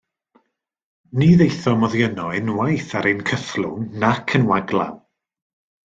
Ni ddaethom oddi yno unwaith ar ein cythlwng nac yn waglaw.